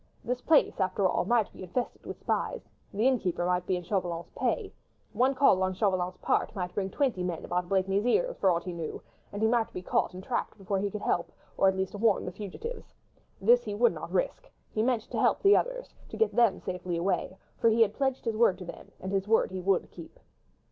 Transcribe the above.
This place, after all, might be infested with spies; the innkeeper might be in Chauvelin's pay. One call on Chauvelin's part might bring twenty men about Blakeney's ears for aught he knew, and he might be caught and trapped before he could help or, at least, warn the fugitives. This he would not risk; he meant to help the others, to get them safely away; for he had pledged his word to them, and his word he would keep.